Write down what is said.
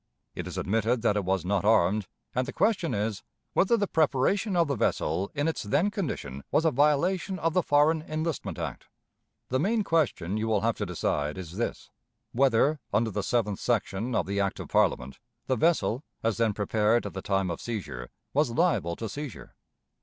It is admitted that it was not armed, and the question is, whether the preparation of the vessel in its then condition was a violation of the Foreign Enlistment Act. The main question you will have to decide is this: Whether, under the seventh section of the act of Parliament, the vessel, as then prepared at the time of seizure, was liable to seizure?